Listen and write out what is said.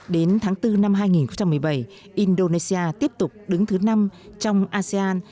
đến tháng bốn năm hai nghìn một mươi bảy indonesia tiếp tục đứng thứ năm trong asean